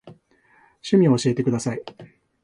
趣味を教えてください。